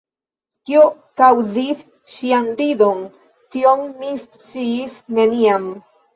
Kio kaŭzis ŝian ridon, tion mi sciis neniam.